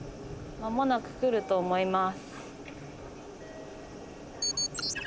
まもなく来ると思います。